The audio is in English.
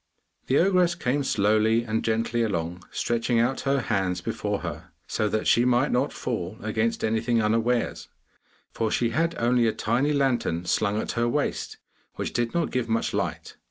The ogress came slowly and gently along, stretching out her hands before her, so that she might not fall against anything unawares, for she had only a tiny lantern slung at her waist, which did not give much light.